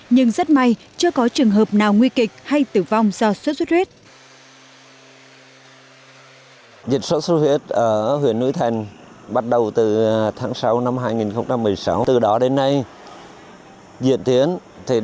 nhưng rất may chưa có trường hợp nào nguy kịch hay tử vong do sốt xuất huyết